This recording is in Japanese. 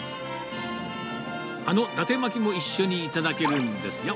あの伊達巻も一緒に頂けるんですよ。